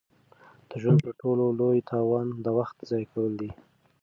د ژوند تر ټولو لوی تاوان د وخت ضایع کول دي.